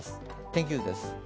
天気図です。